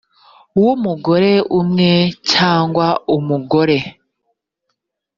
w umugore umwe cyangwa umugore